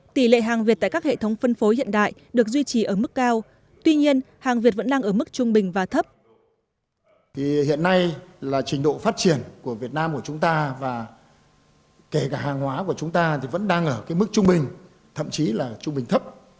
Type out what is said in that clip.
tỷ lệ hàng việt tại các hệ thống phân phối hiện đại được duy trì ở mức cao tuy nhiên hàng việt vẫn đang ở mức trung bình và thấp